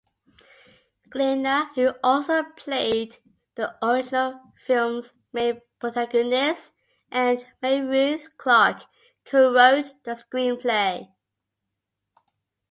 Glienna-who also played the original film's main protagonist-and Mary Ruth Clarke co-wrote the screenplay.